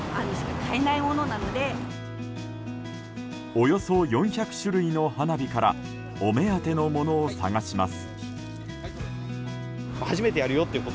およそ４００種類の花火からお目当てのものを探します。